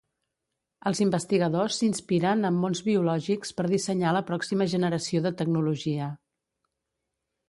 Els investigadors s'inspiren en mons biològics per dissenyar la pròxima generació de tecnologia.